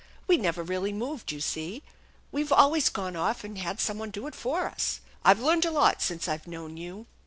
We never really moved, you see. We've always gone off and had some one do it for us. I've learned a lot since I've known you."